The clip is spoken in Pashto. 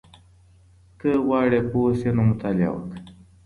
که غواړې پوه شې نو مطالعه وکړه.